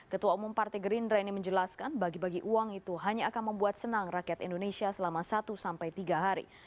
ketua umum partai gerindra ini menjelaskan bagi bagi uang itu hanya akan membuat senang rakyat indonesia selama satu sampai tiga hari